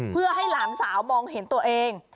เพื่อให้หลานสาวมองเห็นตัวเอง